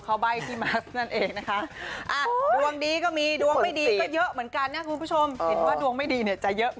เองนี่นะคะช่วยรัฐมาตลอดแต่รัฐไม่ช่วยจ๊ะเลยอ่ะ